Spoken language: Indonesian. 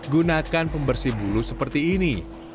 gunakan pembersih bulu seperti ini